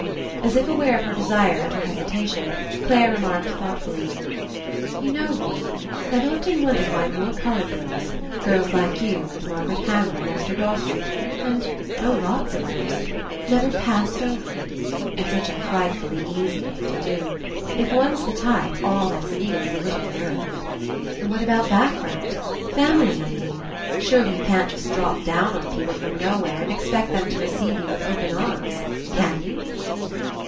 As if aware of her desire and her hesi tation, Clare remarked, thoughtfully: "You know, 'Rene, I've often wondered why more coloured girls, girls like you and Margaret Hammer and Esther Dawson and — oh, lots of others — never ^passed' over. It's such a fright fully easy thing to do. If one's the type, all that's needed is a little nerve." "What about background? Family, I mean. Surely you can't just drop down on peo ple from nowhere and expect them to receive you with open arms, can you?"